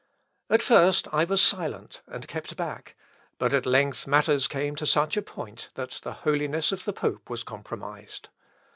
At first I was silent, and kept back. But at length matters came to such a point, that the holiness of the pope was compromised.